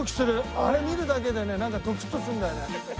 あれ見るだけでねなんかドキッとするんだよね。